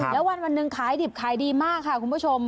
แล้ววันหนึ่งขายดิบขายดีมากค่ะคุณผู้ชม